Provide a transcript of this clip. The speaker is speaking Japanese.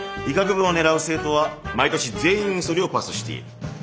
医学部を狙う生徒は毎年全員それをパスしている。